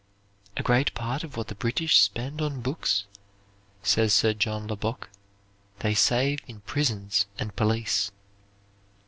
"A great part of what the British spend on books," says Sir John Lubbock, "they save in prisons and police."